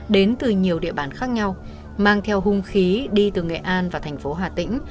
đến từ nhiều địa bàn khác nhau mang theo hung khí đi từ nghệ an và thành phố hà tĩnh